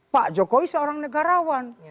pak jokowi seorang negarawan